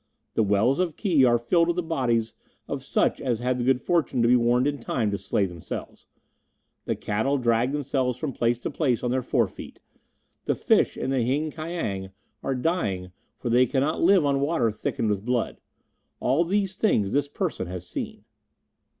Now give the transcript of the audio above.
The wells of Ki are filled with the bodies of such as had the good fortune to be warned in time to slay themselves. The cattle drag themselves from place to place on their forefeet; the fish in the Heng Kiang are dying, for they cannot live on water thickened into blood. All these things this person has seen."